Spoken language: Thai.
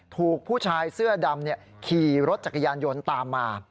ถูกผู้ชายเสื้อดำขี่รถจักรยานยนต์ตามมา